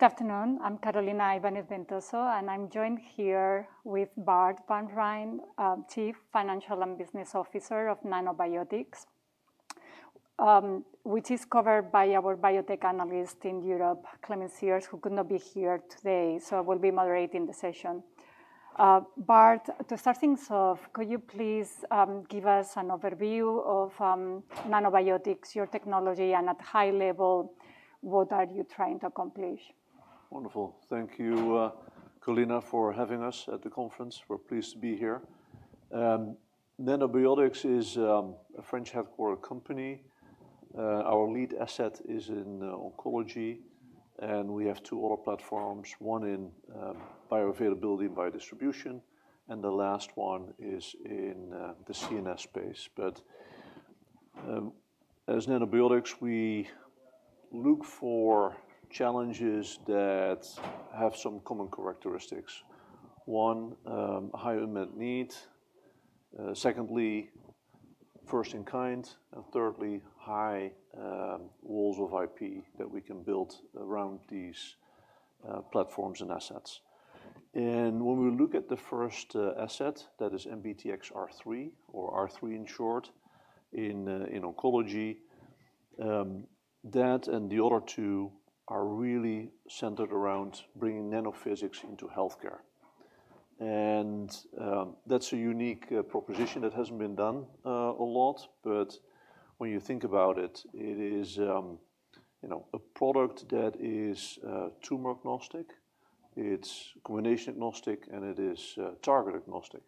Good afternoon. I'm Carolina Ibanez-Ventoso, and I'm joined here with Bart van Rhijn, Chief Financial and Business Officer of Nanobiotix, which is covered by our biotech analyst in Europe, Clement Serres, who could not be here today, so I will be moderating the session. Bart, to start things off, could you please give us an overview of Nanobiotix, your technology, and at a high level, what are you trying to accomplish? Wonderful. Thank you, Carolina, for having us at the conference. We're pleased to be here. Nanobiotix is a French-headquartered company. Our lead asset is in oncology, and we have two other platforms, one in bioavailability and biodistribution, and the last one is in the CNS space, but as Nanobiotix, we look for challenges that have some common characteristics. One, high unmet need. Secondly, first in kind. And thirdly, high walls of IP that we can build around these platforms and assets, and when we look at the first asset, that is NBTXR3, or R3 in short, in oncology, that and the other two are really centered around bringing nanophysics into healthcare, and that's a unique proposition that hasn't been done a lot, but when you think about it, it is a product that is tumor agnostic. It's combination agnostic, and it is target agnostic.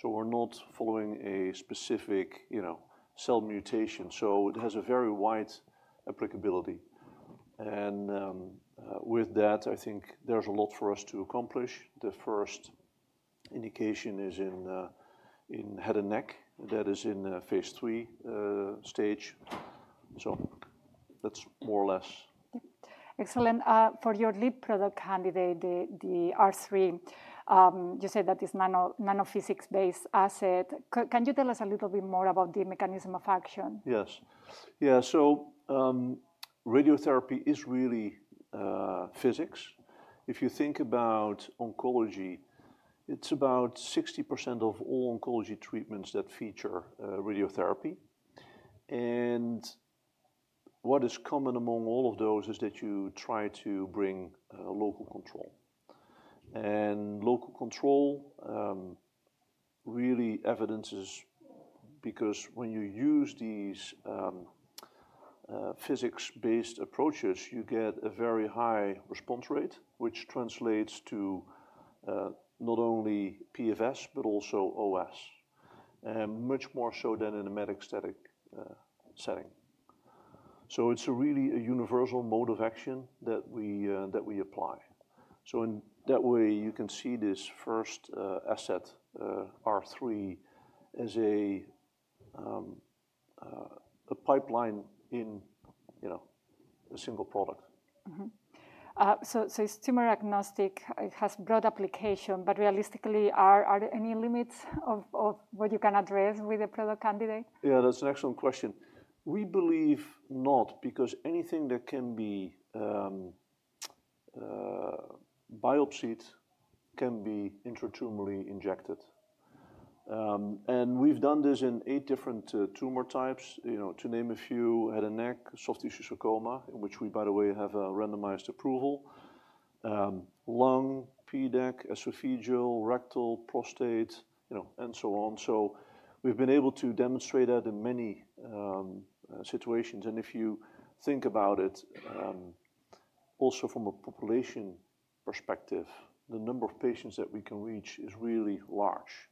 So we're not following a specific cell mutation. So it has a very wide applicability. And with that, I think there's a lot for us to accomplish. The first indication is in head and neck. That is in phase III stage. So that's more or less. Excellent. For your lead product candidate, the R3, you said that this Nanophysics-based asset. Can you tell us a little bit more about the mechanism of action? Yes. Yeah. So radiotherapy is really physics. If you think about oncology, it's about 60% of all oncology treatments that feature radiotherapy. And what is common among all of those is that you try to bring local control. And local control really evident is because when you use these physics-based approaches, you get a very high response rate, which translates to not only PFS, but also OS, and much more so than in a metastatic setting. So it's really a universal mode of action that we apply. So in that way, you can see this first asset, R3, as a pipeline in a single product. So it's tumor agnostic. It has broad application. But realistically, are there any limits of what you can address with the product candidate? Yeah, that's an excellent question. We believe not, because anything that can be biopsied can be intratumorally injected. And we've done this in eight different tumor types, to name a few: head and neck, soft tissue sarcoma, in which we, by the way, have a randomized approval, lung, PDAC, esophageal, rectal, prostate, and so on. So we've been able to demonstrate that in many situations. And if you think about it, also from a population perspective, the number of patients that we can reach is really large.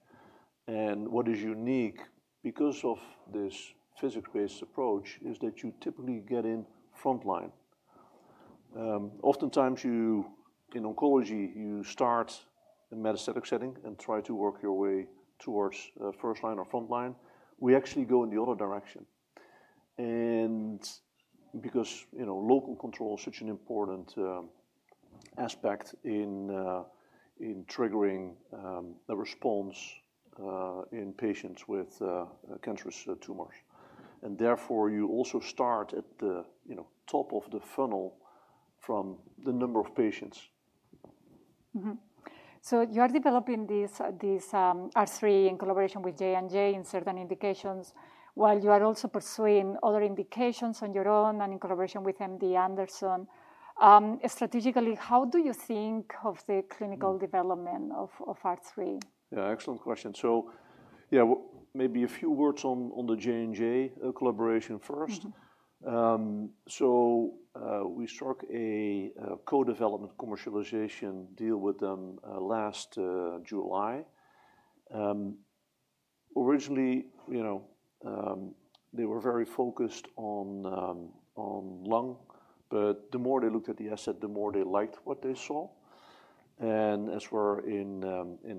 And what is unique because of this physics-based approach is that you typically get in front line. Oftentimes, in oncology, you start in a metastatic setting and try to work your way towards first line or front line. We actually go in the other direction. And because local control is such an important aspect in triggering the response in patients with cancerous tumors. Therefore, you also start at the top of the funnel from the number of patients. So you are developing this R3 in collaboration with J&J in certain indications, while you are also pursuing other indications on your own and in collaboration with MD Anderson. Strategically, how do you think of the clinical development of R3? Yeah, excellent question. So yeah, maybe a few words on the J&J collaboration first. So we struck a co-development commercialization deal with them last July. Originally, they were very focused on lung, but the more they looked at the asset, the more they liked what they saw. And as for in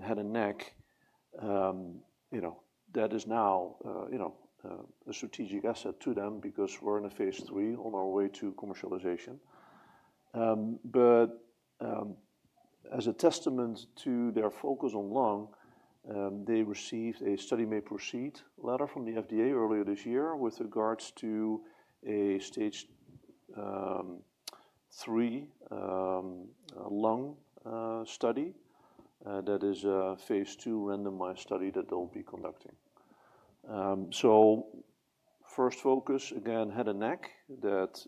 head and neck, that is now a strategic asset to them because we're in a phase III on our way to commercialization. But as a testament to their focus on lung, they received a Study may proceed letter from the FDA earlier this year with regards to a stage three lung study. That is a phase II randomized study that they'll be conducting. So first focus, again, head and neck, that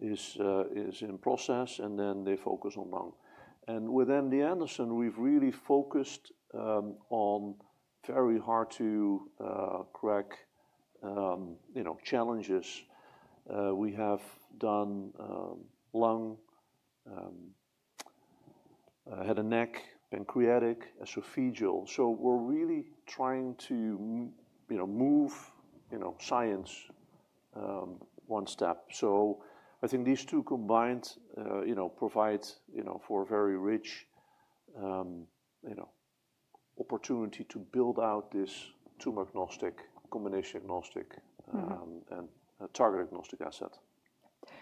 is in process, and then they focus on lung. And with MD Anderson, we've really focused on very hard to crack challenges. We have done lung, head and neck, pancreatic, esophageal. So we're really trying to move science one step. So I think these two combined provide for a very rich opportunity to build out this tumor agnostic, combination agnostic, and target agnostic asset.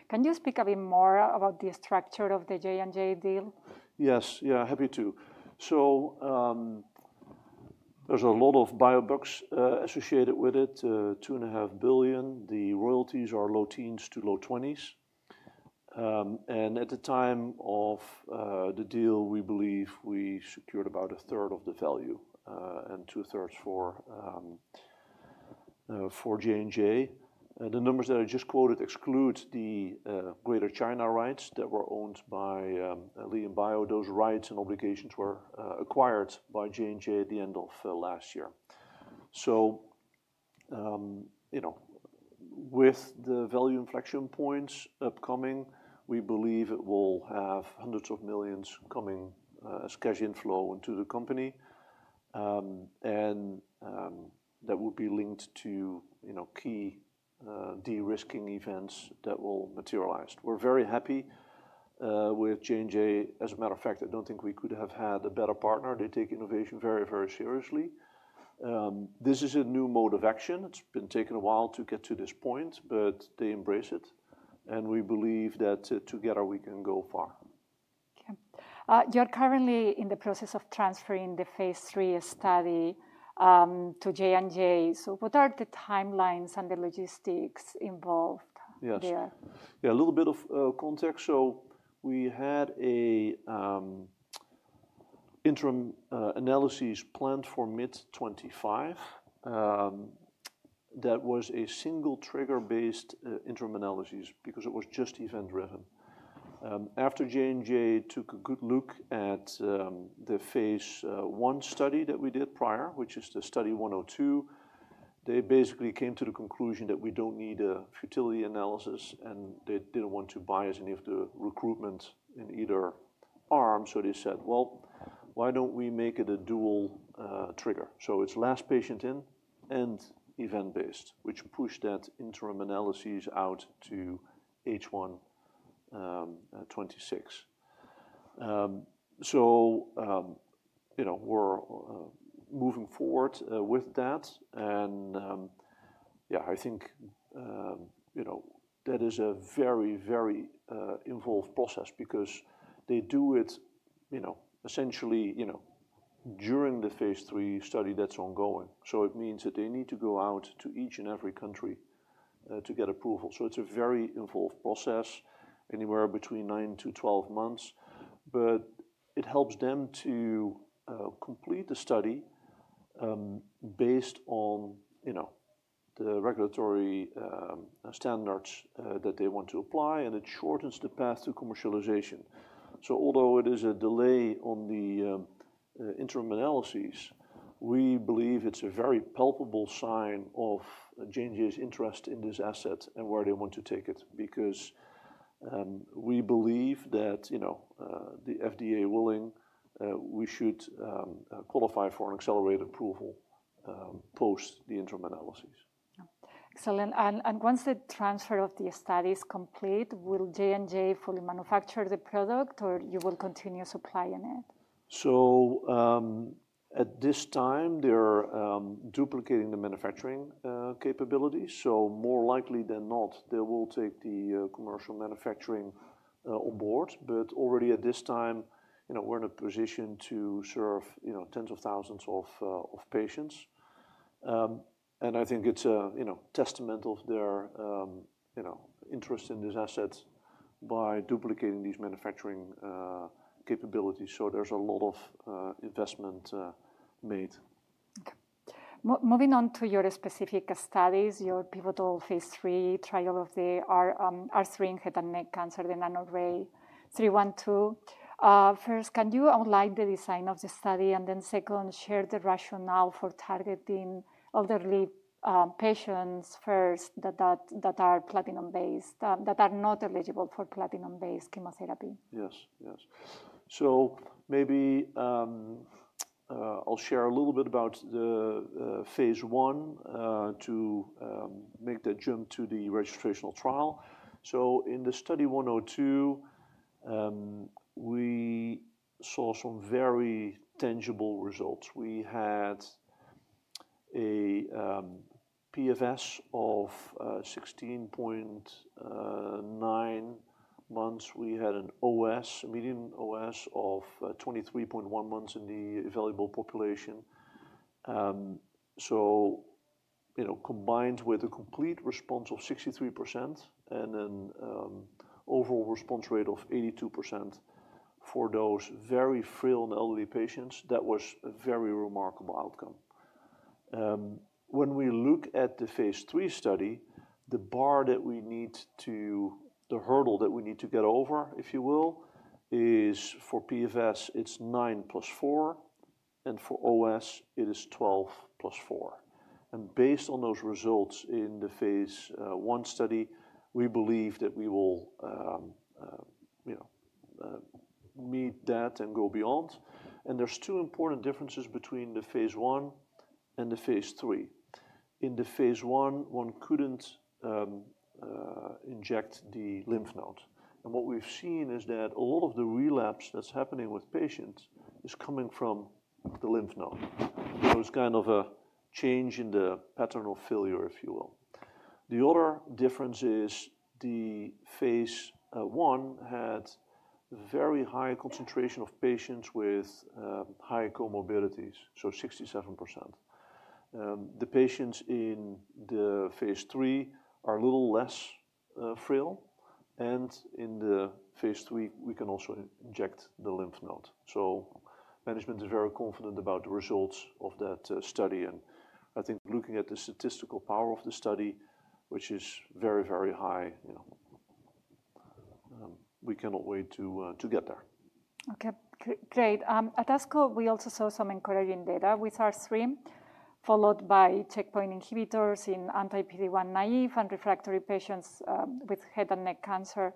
Can you speak a bit more about the structure of the J&J deal? Yes. Yeah, happy to. So, there's a lot of biobucks associated with it, $2.5 billion. The royalties are low teens to low twenties, and at the time of the deal, we believe we secured about a third of the value and two thirds for J&J. The numbers that I just quoted exclude the Greater China rights that were owned by LianBio. Those rights and obligations were acquired by J&J at the end of last year, so with the value inflection points upcoming, we believe it will have hundreds of millions coming as cash inflow into the company, and that will be linked to key de-risking events that will materialize. We're very happy with J&J. As a matter of fact, I don't think we could have had a better partner. They take innovation very, very seriously. This is a new mode of action. It's been taking a while to get to this point, but they embrace it. And we believe that together we can go far. You're currently in the process of transferring the phase III study to J&J. So what are the timelines and the logistics involved there? Yeah, a little bit of context. So we had an interim analysis planned for mid 2025 that was a single trigger-based interim analysis because it was just event-driven. After J&J took a good look at the phase I study that we did prior, which is the study 102, they basically came to the conclusion that we don't need a futility analysis, and they didn't want to bias any of the recruitment in either arm. So they said, well, why don't we make it a dual trigger? So it's last patient in and event-based, which pushed that interim analysis out to H1 2026. So we're moving forward with that. And yeah, I think that is a very, very involved process because they do it essentially during the phase III study that's ongoing. So it means that they need to go out to each and every country to get approval. It's a very involved process, anywhere between nine to 12 months. But it helps them to complete the study based on the regulatory standards that they want to apply, and it shortens the path to commercialization. So although it is a delay on the interim analysis, we believe it's a very palpable sign of J&J's interest in this asset and where they want to take it because we believe that, FDA willing, we should qualify for an accelerated approval post the interim analysis. Excellent. And once the transfer of the study is complete, will J&J fully manufacture the product, or you will continue supplying it? So at this time, they're duplicating the manufacturing capabilities. So more likely than not, they will take the commercial manufacturing on board. But already at this time, we're in a position to serve tens of thousands of patients. And I think it's a testament of their interest in this asset by duplicating these manufacturing capabilities. So there's a lot of investment made. Moving on to your specific studies, your pivotal phase III trial of the R3 in head and neck cancer, the Nanobiotix 312. First, can you outline the design of the study? And then second, share the rationale for targeting elderly patients first that are platinum-based, that are not eligible for platinum-based chemotherapy? Yes, yes. So maybe I'll share a little bit about phase 1 to make that jump to the registrational trial. So in the Study 102, we saw some very tangible results. We had a PFS of 16.9 months. We had an OS, median OS of 23.1 months in the available population. So combined with a complete response of 63% and an overall response rate of 82% for those very frail and elderly patients, that was a very remarkable outcome. When we look at the phase III study, the bar that we need to, the hurdle that we need to get over, if you will, is for PFS, it's 9 plus 4. And for OS, it is 12 plus 4. And based on those results in the phase 1 study, we believe that we will meet that and go beyond. There's two important differences between the phase I and the phase III. In the phase I, one couldn't inject the lymph node. What we've seen is that a lot of the relapse that's happening with patients is coming from the lymph node. There was kind of a change in the pattern of failure, if you will. The other difference is the phase I had a very high concentration of patients with high comorbidities, so 67%. The patients in the phase III are a little less frail. In the phase III, we can also inject the lymph node. Management is very confident about the results of that study. I think looking at the statistical power of the study, which is very, very high, we cannot wait to get there. Great. At ASCO, we also saw some encouraging data with R3, followed by checkpoint inhibitors in anti-PD-1 naive and refractory patients with head and neck cancer.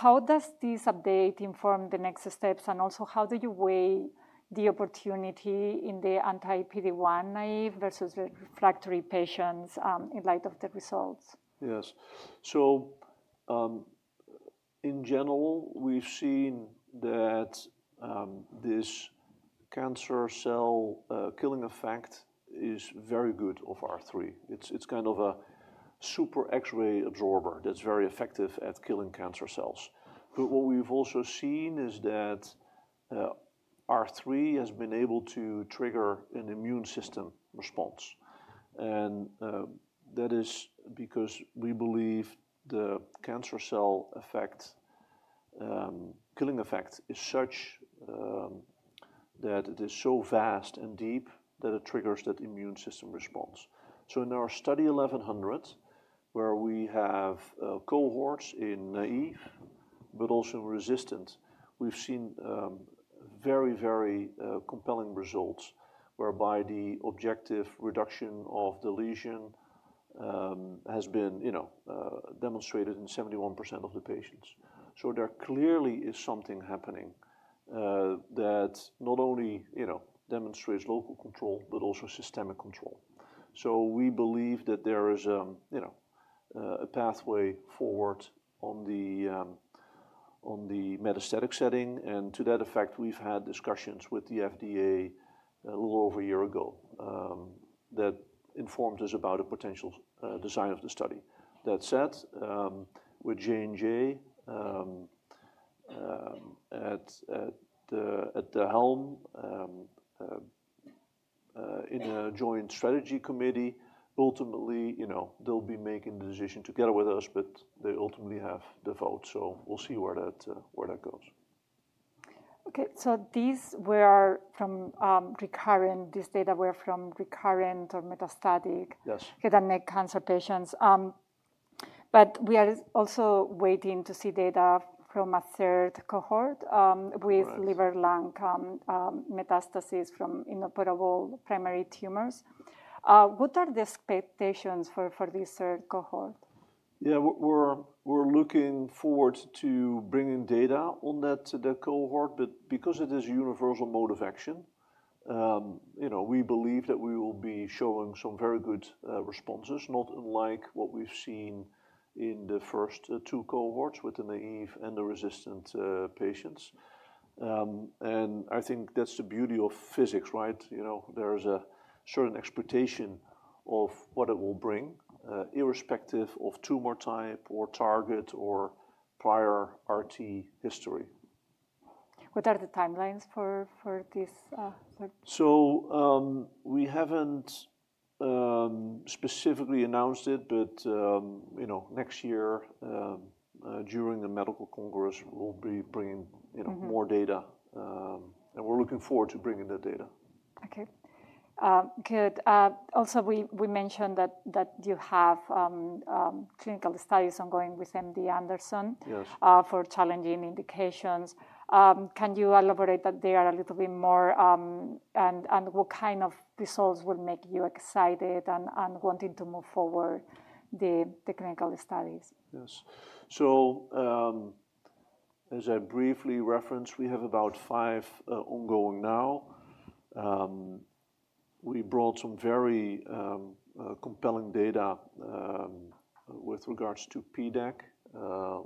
How does this update inform the next steps? And also, how do you weigh the opportunity in the anti-PD-1 naive versus refractory patients in light of the results? Yes. So in general, we've seen that this cancer cell killing effect is very good of R3. It's kind of a super X-ray absorber that's very effective at killing cancer cells. But what we've also seen is that R3 has been able to trigger an immune system response. And that is because we believe the cancer cell effect, killing effect, is such that it is so vast and deep that it triggers that immune system response. So in our Study 1100, where we have cohorts in naive, but also in resistant, we've seen very, very compelling results, whereby the objective reduction of the lesion has been demonstrated in 71% of the patients. So there clearly is something happening that not only demonstrates local control, but also systemic control. So we believe that there is a pathway forward on the metastatic setting. To that effect, we've had discussions with the FDA a little over a year ago that informed us about a potential design of the study. That said, with J&J at the helm in a joint strategy committee, ultimately, they'll be making the decision together with us, but they ultimately have the vote. We'll see where that goes. Okay. So these were from recurrent, this data were from recurrent or metastatic head and neck cancer patients. But we are also waiting to see data from a third cohort with liver-lung metastasis from inoperable primary tumors. What are the expectations for this third cohort? Yeah, we're looking forward to bringing data on that cohort. But because it is a universal mode of action, we believe that we will be showing some very good responses, not unlike what we've seen in the first two cohorts with the naive and the resistant patients. And I think that's the beauty of physics, right? There is a certain expectation of what it will bring, irrespective of tumor type or target or prior RT history. What are the timelines for this? So we haven't specifically announced it, but next year during the medical congress, we'll be bringing more data. And we're looking forward to bringing that data. Okay. Good. Also, we mentioned that you have clinical studies ongoing with MD Anderson for challenging indications. Can you elaborate that they are a little bit more? And what kind of results will make you excited and wanting to move forward the clinical studies? Yes. So as I briefly referenced, we have about five ongoing now. We brought some very compelling data with regards to PDAC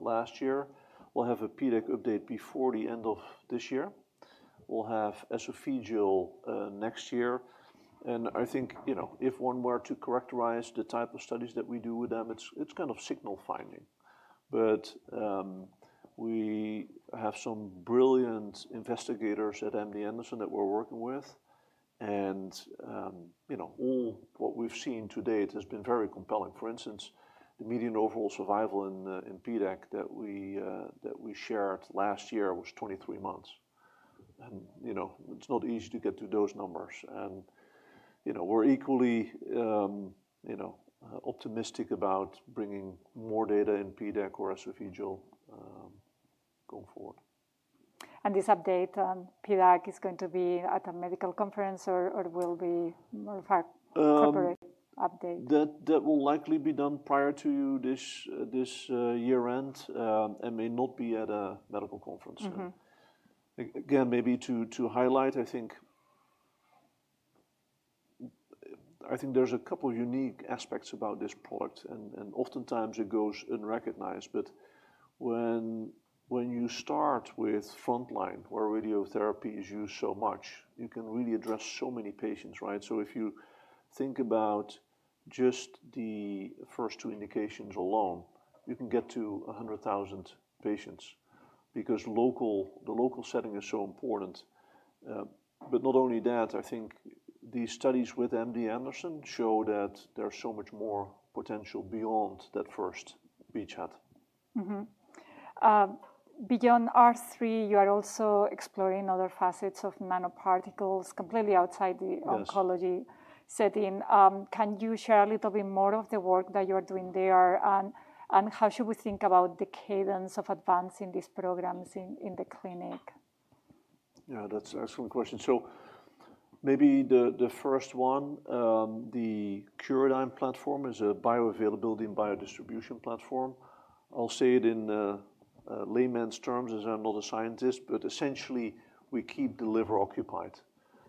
last year. We'll have a PDAC update before the end of this year. We'll have esophageal next year. And I think if one were to characterize the type of studies that we do with them, it's kind of signal finding. But we have some brilliant investigators at MD Anderson that we're working with. And all what we've seen to date has been very compelling. For instance, the median overall survival in PDAC that we shared last year was 23 months. And it's not easy to get to those numbers. And we're equally optimistic about bringing more data in PDAC or esophageal going forward. This update, PDAC is going to be at a medical conference or will be more of a corporate update? That will likely be done prior to this year-end and may not be at a medical conference. Again, maybe to highlight, I think there's a couple of unique aspects about this product, and oftentimes, it goes unrecognized, but when you start with frontline, where radiotherapy is used so much, you can really address so many patients, right, so if you think about just the first two indications alone, you can get to 100,000 patients because the local setting is so important, but not only that, I think these studies with MD Anderson show that there's so much more potential beyond that first beachhead. Beyond R3, you are also exploring other facets of nanoparticles completely outside the oncology setting. Can you share a little bit more of the work that you are doing there? And how should we think about the cadence of advancing these programs in the clinic? Yeah, that's an excellent question. So maybe the first one, the Curadigm platform is a bioavailability and biodistribution platform. I'll say it in layman's terms as I'm not a scientist, but essentially, we keep the liver occupied.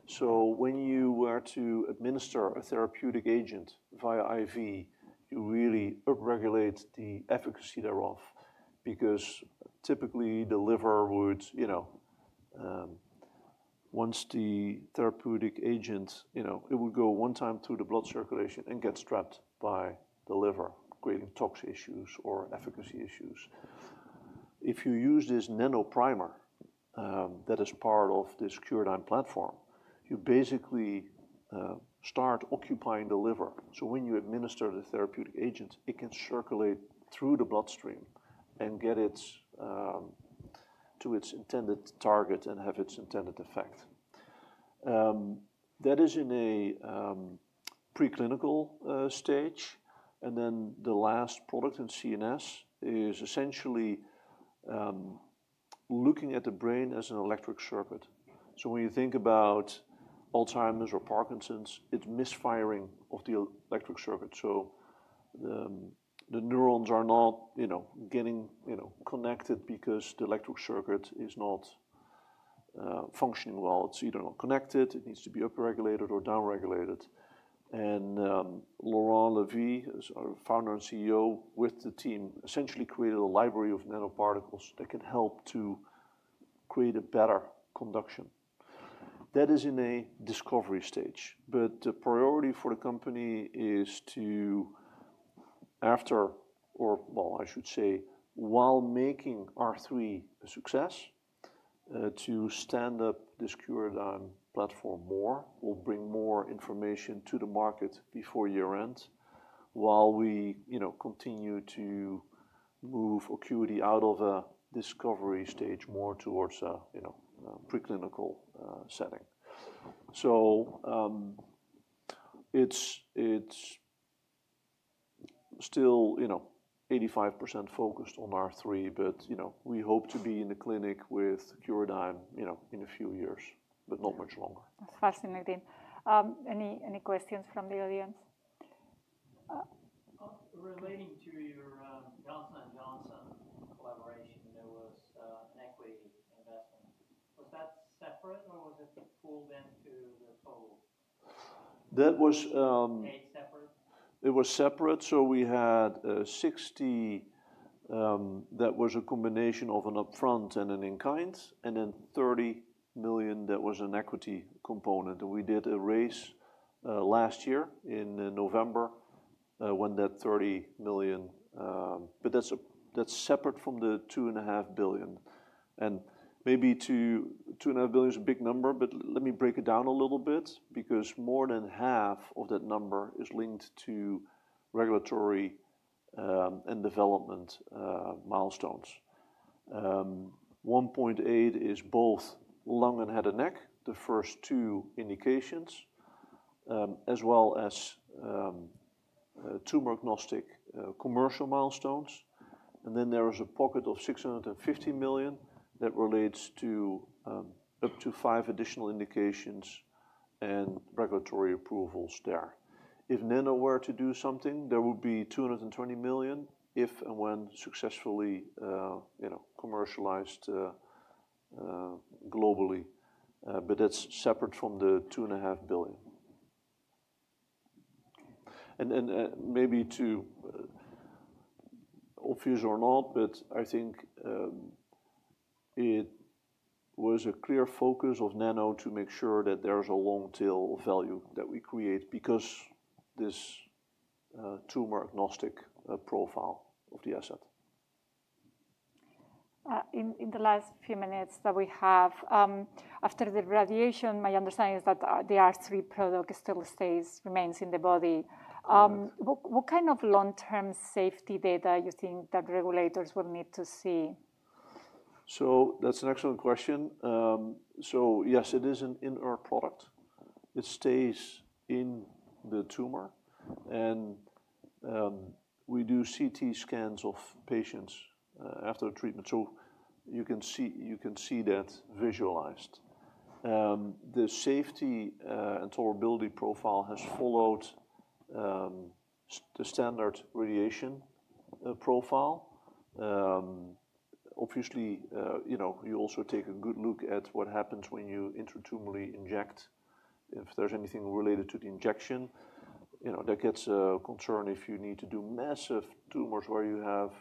So when you were to administer a therapeutic agent via IV, you really upregulate the efficacy thereof because typically, the liver would, once the therapeutic agent, it would go one time through the blood circulation and get trapped by the liver, creating tox issues or efficacy issues. If you use this Nanoprimer that is part of this Curadigm platform, you basically start occupying the liver. So when you administer the therapeutic agent, it can circulate through the bloodstream and get it to its intended target and have its intended effect. That is in a preclinical stage. And then the last product in CNS is essentially looking at the brain as an electric circuit. So when you think about Alzheimer's or Parkinson's, it's misfiring of the electric circuit. So the neurons are not getting connected because the electric circuit is not functioning well. It's either not connected. It needs to be upregulated or downregulated. And Laurent Lévy, our founder and CEO with the team, essentially created a library of nanoparticles that can help to create a better conduction. That is in a discovery stage. But the priority for the company is to, after, or well, I should say, while making R3 a success, to stand up this Curadigm platform more. We'll bring more information to the market before year-end while we continue to move Oocuity out of a discovery stage more towards a preclinical setting. So it's still 85% focused on R3, but we hope to be in the clinic with Curadigm in a few years, but not much longer. That's fascinating. Any questions from the audience? Relating to your Johnson & Johnson collaboration, there was an equity investment. Was that separate or was it pooled into the total? That was. Stayed separate? It was separate. So we had $60 million that was a combination of an upfront and an in-kind, and then $30 million that was an equity component. And we did a raise last year in November when that $30 million, but that's separate from the $2.5 billion. And maybe $2.5 billion is a big number, but let me break it down a little bit because more than half of that number is linked to regulatory and development milestones. $1.8 billion is both lung and head and neck, the first two indications, as well as tumor-agnostic commercial milestones. And then there is a pocket of $650 million that relates to up to five additional indications and regulatory approvals there. If Nano were to do something, there would be $220 million if and when successfully commercialized globally. But that's separate from the $2.5 billion. And maybe too obvious or not, but I think it was a clear focus of Nanobiotix to make sure that there is a long tail value that we create because this tumor-agnostic profile of the asset. In the last few minutes that we have, after the radiation, my understanding is that the R3 product still remains in the body. What kind of long-term safety data you think that regulators will need to see? That's an excellent question. Yes, it is an inert product. It stays in the tumor. We do CT scans of patients after treatment. You can see that visualized. The safety and tolerability profile has followed the standard radiation profile. Obviously, you also take a good look at what happens when you intratumorally inject, if there's anything related to the injection. That gets concerning if you need to do massive tumors where you have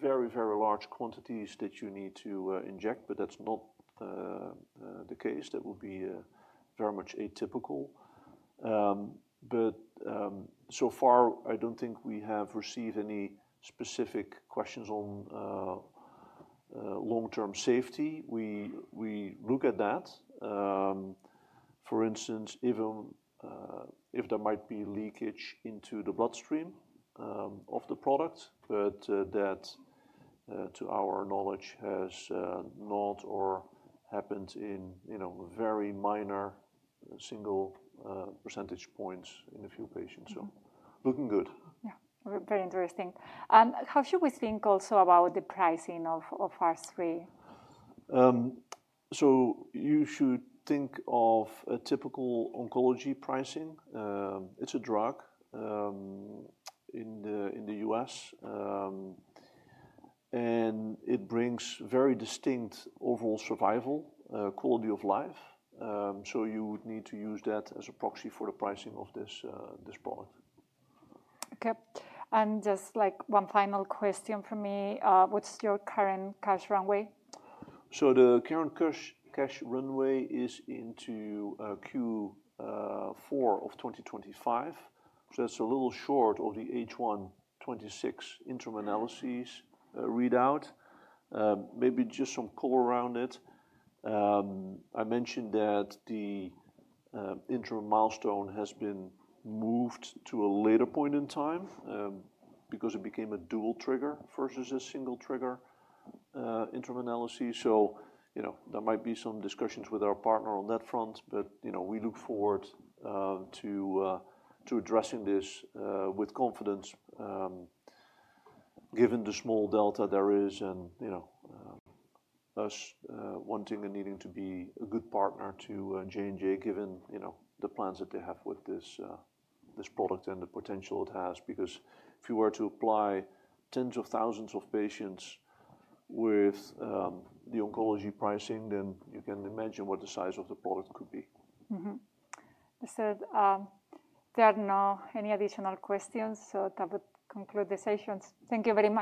very, very large quantities that you need to inject, but that's not the case. That would be very much atypical. So far, I don't think we have received any specific questions on long-term safety. We look at that. For instance, even if there might be leakage into the bloodstream of the product, but that, to our knowledge, has not occurred in very minor single percentage points in a few patients. So looking good. Yeah. Very interesting. And how should we think also about the pricing of R3? So you should think of a typical oncology pricing. It's a drug in the U.S. And it brings very distinct overall survival, quality of life. So you would need to use that as a proxy for the pricing of this product. Okay. And just like one final question for me, what's your current cash runway? The current cash runway is into Q4 of 2025. That's a little short of the H1 2026 interim analysis readout. Maybe just some color around it. I mentioned that the interim milestone has been moved to a later point in time because it became a dual trigger versus a single trigger interim analysis. There might be some discussions with our partner on that front, but we look forward to addressing this with confidence given the small delta there is and us wanting and needing to be a good partner to J&J given the plans that they have with this product and the potential it has. Because if you were to apply tens of thousands of patients with the oncology pricing, then you can imagine what the size of the product could be. So there are no additional questions. So that would conclude the session. Thank you very much.